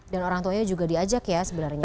dan orang tuanya juga diajak ya sebenarnya